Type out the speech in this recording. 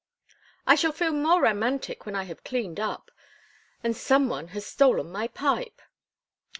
"I shall feel more romantic when I have cleaned up—and some one has stolen my pipe."